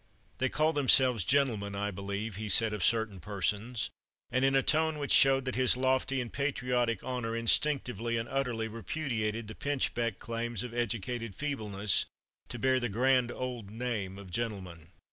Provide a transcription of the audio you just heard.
"They call themselves gentlemen, I believe," he said of certain persons, and in a tone which showed that his lofty and patriotic honor instinctively and utterly repudiated the pinchbeck claims of educated feebleness to bear "the grand old name of gentleman."